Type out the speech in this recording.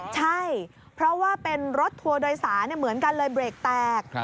ใช่เพราะว่าเป็นรถทัวร์โดยสารเหมือนกันเลยเบรกแตก